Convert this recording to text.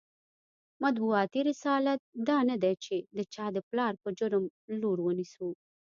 مطبوعاتي رسالت دا نه دی چې د چا د پلار په جرم لور ونیسو.